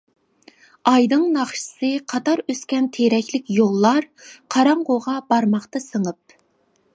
ئايدىڭ ناخشىسى قاتار ئۆسكەن تېرەكلىك يوللار، قاراڭغۇغا بارماقتا سىڭىپ.